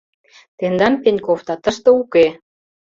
— Тендан Пеньковда тыште уке!